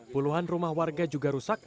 puluhan rumah warga juga rusak